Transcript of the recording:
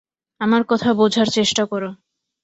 আমার কথা বোঝার চেষ্টা করো।